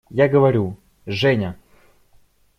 Я говорю: «Женя…»